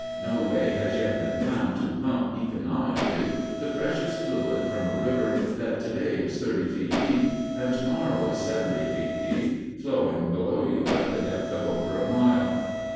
No way has yet been found to pump economically the precious fluid from a river that to day is thirty feet deep, and to morrow is seventy feet deep, flowing below you at the depth of over a mile.